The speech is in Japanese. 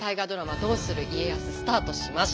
「どうする家康」スタートしました。